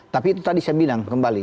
tapi itu tadi saya bilang kembali